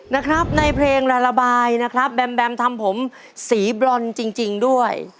นะครับในเพลงระบายนะครับแบมแบมทำผมสีบรอนจริงด้วย